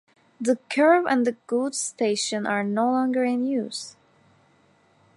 The curve and the goods station are no longer in use.